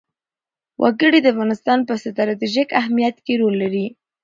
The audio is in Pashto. وګړي د افغانستان په ستراتیژیک اهمیت کې رول لري.